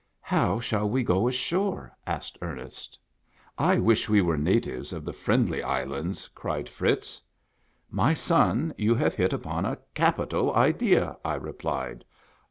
"How shall we go ashore?" asked Ernest. " I wish we were natives of the Friendly Islands !" cried Fritz. " My son, you have hit upon a capital idea," I re plied.